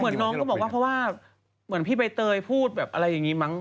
เหมือนน้องก็บอกว่าเหมือนพี่ใบเตยพูดแบบอะไรอย่างนี้มั้ง